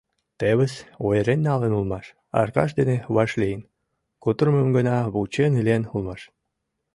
Тевыс, ойырен налын улмаш, Аркаш дене вашлийын кутырымым гына вучен илен улмаш...